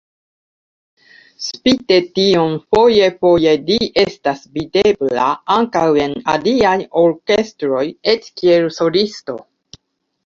Spite tion foje-foje li estas videbla ankaŭ en aliaj orkestroj, eĉ kiel solisto.